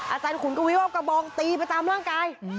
อาจารย์ขุนกวิวเอากระบองตีไปตามร่างกาย